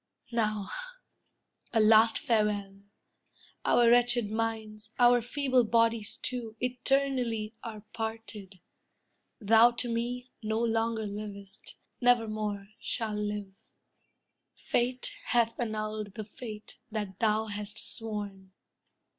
Now, a last farewell! Our wretched minds, our feeble bodies, too, Eternally are parted. Thou to me No longer livest, nevermore shall live. Fate hath annulled the faith that thou hast sworn."